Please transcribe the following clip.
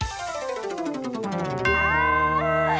ああ！